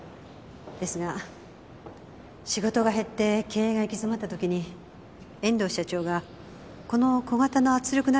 ですが仕事が減って経営が行き詰まった時に遠藤社長がこの小型の圧力鍋を開発したんです。